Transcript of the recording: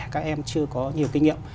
các em chưa có nhiều kinh nghiệm